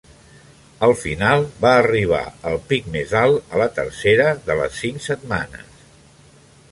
Al final va arribar al pic més alt la tercera de les cinc setmanes.